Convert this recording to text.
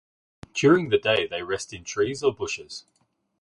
During the day they rest in trees or bushes.